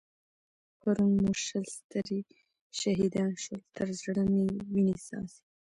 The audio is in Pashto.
پرون مو شل سترې شهيدان شول؛ تر زړه مې وينې څاڅي.